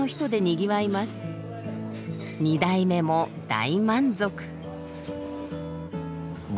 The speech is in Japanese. ２代目も大満足。